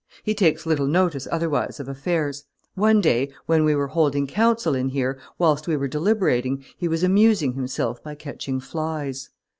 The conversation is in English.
He takes little notice, otherwise, of affairs; one day, when we were holding council in here, whilst we were deliberating, he was amusing himself by catching flies."